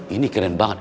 ini keren banget